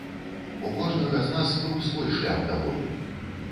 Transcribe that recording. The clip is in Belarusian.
У кожнага з нас быў свой шлях да волі.